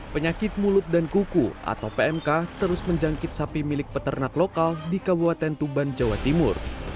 penyakit mulut dan kuku atau pmk terus menjangkit sapi milik peternak lokal di kabupaten tuban jawa timur